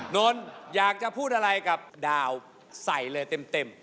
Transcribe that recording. นนท์อยากจะพูดอะไรกับดาวใส่เลยเต็ม